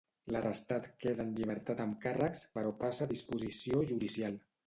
L'arrestat queda en llibertat amb càrrecs però passa a disposició judicial.